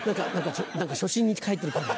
何か初心に帰ってる感じ。